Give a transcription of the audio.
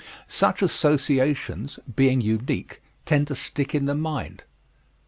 Such associations, being unique, tend to stick in the mind.